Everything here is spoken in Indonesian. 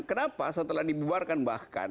kenapa setelah dibuarkan bahkan